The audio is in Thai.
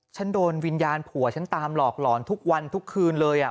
ฉันโดนวิญญาณผัวฉันตามหลอกหลอนทุกวันทุกคืนเลย